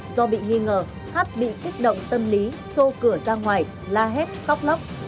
do bị nghi ngờ hát bị kích động tâm lý xô cửa ra ngoài la hét khóc nóc